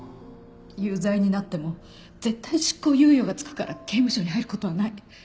有罪になっても絶対執行猶予がつくから刑務所に入る事はない。